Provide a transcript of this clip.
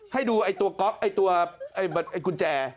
ให้ดูไอ้ตัวก๊อกไอ้ตัวไอ้กุญแจ